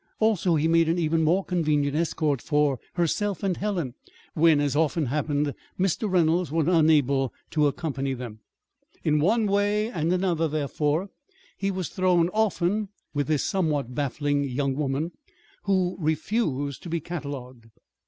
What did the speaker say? Also he made an even more convenient escort for herself and Helen when, as often happened, Mr. Reynolds was unable to accompany them. In one way and another, therefore, he was thrown often with this somewhat baffling young woman, who refused to be catalogued.